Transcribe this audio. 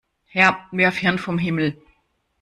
Herr, wirf Hirn vom Himmel!